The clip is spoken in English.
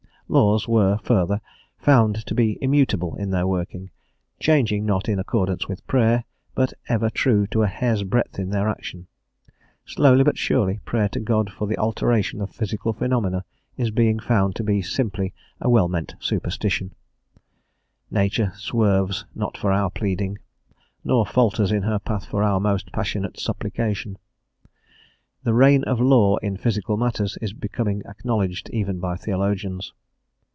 Laws were, further, found to be immutable in their working, changing not in accordance with prayer, but ever true to a hair's breadth in their action. Slowly, but surely, prayer to God for the alteration of physical phenomena is being found to be simply a well meant superstition; nature swerves not for our pleading, nor falters in her path for our most passionate supplication. The "reign of law" in physical matters is becoming acknowledged even by theologians.